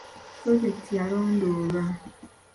Pulojekiti yalondoolwa.